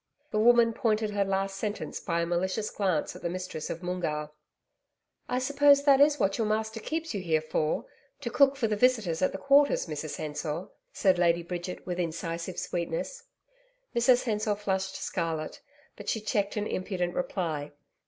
The woman pointed her last sentence by a malicious glance at the mistress of Moongarr. 'I suppose that is what your master keeps you here for to cook for the visitors at the Quarters, Mrs Hensor,' said Lady Bridget, with incisive sweetness. Mrs Hensor flushed scarlet, but she checked an impudent reply.